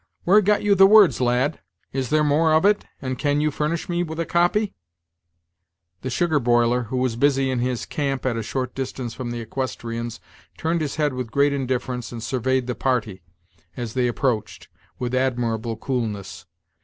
Where got you the words, lad? Is there more of it, and can you furnish me with a copy?" The sugar boiler, who was busy in his "camp," at a short distance from the equestrians, turned his head with great indifference, and surveyed the party, as they approached, with admirable coolness.